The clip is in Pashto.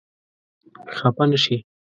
خپه نه شې.